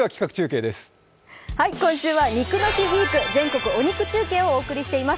今週は肉の日ウィーク全国お肉中継をお届けしております。